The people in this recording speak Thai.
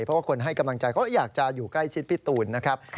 เพราะว่าคนให้กำลังใจเขาอยากจะอยู่ใกล้ชิดพี่ตูนนะครับ